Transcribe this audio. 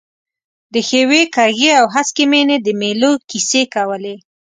د ښیوې، کږې او هسکې مېنې د مېلو کیسې کولې.